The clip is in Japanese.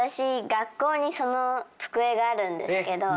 学校にその机があるんですけど。